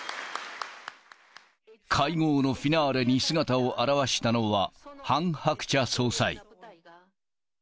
会合のフィナーレに姿を現したのは、ハン・ハクチャ総裁。